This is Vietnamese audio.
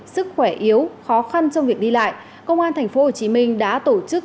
sức khỏe yếu khó khăn trong việc đi lại công an thành phố hồ chí minh đã tổ chức